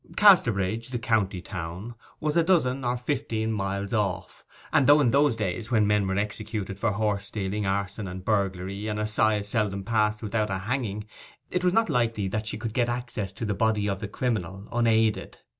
Casterbridge, the county town, was a dozen or fifteen miles off; and though in those days, when men were executed for horse stealing, arson, and burglary, an assize seldom passed without a hanging, it was not likely that she could get access to the body of the criminal unaided.